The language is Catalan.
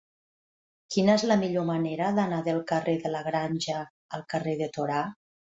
Quina és la millor manera d'anar del carrer de la Granja al carrer de Torà?